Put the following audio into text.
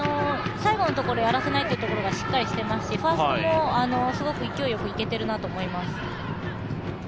最後のところやらせないっていうところがしっかりしてますしファーストもすごい勢いよくいけてるなと思います。